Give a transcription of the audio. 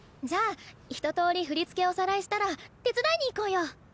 じゃあ一とおり振り付けおさらいしたら手伝いに行こうよ！